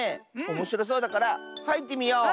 おもしろそうだからはいってみよう。